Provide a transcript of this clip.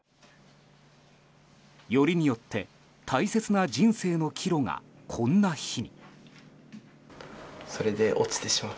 よりによって大切な人生の岐路がこんな日に。